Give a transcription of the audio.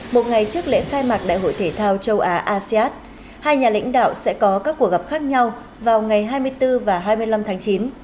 một ngày trước lễ khai mạc đại hội thể thao châu á asean hai nhà lãnh đạo sẽ có các cuộc gặp khác nhau vào ngày hai mươi bốn và hai mươi năm tháng chín